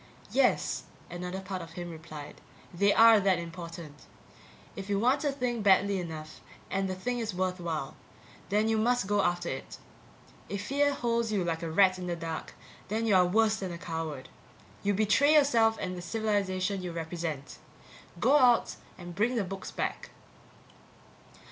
Yes, another part of him replied, they are that important. If you want a thing badly enough and the thing is worthwhile, then you must go after it. If fear holds you like a rat in the dark, then you are worse than a coward; you betray yourself and the civilization you represent. Go out and bring the books back.